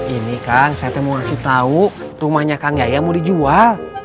ini kang saya mau kasih tau rumahnya kang yaya mau dijual